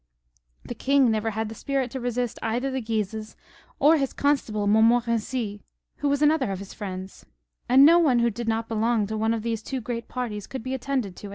The king never had the spirit to resist either the Guises or his Qonstable Montmorency, who was another of his great friends ; and no one who did not belong to one of these two great parties could be attended to.